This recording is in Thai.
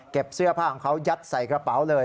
เสื้อผ้าของเขายัดใส่กระเป๋าเลย